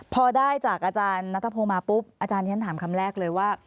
พอได้จากอาจารย์นัทพงศ์มาปุ๊บอาจารย์ที่ฉันถามคำแรกเลยว่า